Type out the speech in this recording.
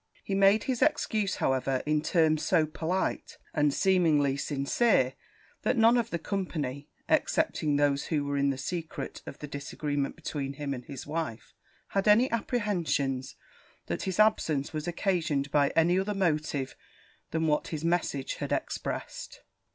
He made his excuse, however, in terms so polite, and seemingly sincere, that none of the company, excepting those who were in the secret of the disagreement between him and his wife, had any apprehensions that his absence was occasioned by any other motive that what his message had expressed.